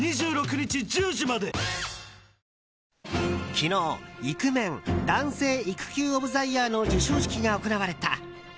昨日、「イクメン／男性育休オブザイヤー」の授賞式が行われた。